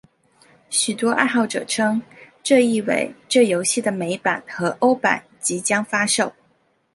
许多爱好者称这意味这游戏的美版和欧版即将发售。